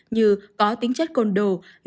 như có tính chất côn đồ